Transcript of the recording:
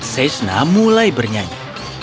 shashna mulai bernyanyi